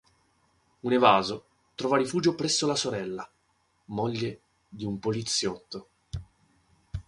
Un evaso trova rifugio presso la sorella, moglie di un poliziotto.